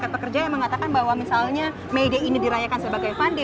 ada yang mengatakan bahwa misalnya may day ini dirayakan sebagai fun day